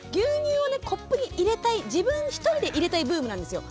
コップに入れたい自分一人で入れたいブームなんですよ。